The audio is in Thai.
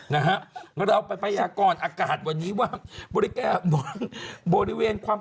แล้วเราไปประหยากรอากาศวันนี้ว่าบริเวณความกดอากาศสูง